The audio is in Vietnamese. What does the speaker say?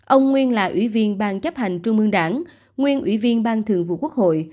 ông nguyên là ủy viên bang chấp hành trung mương đảng nguyên ủy viên bang thường vụ quốc hội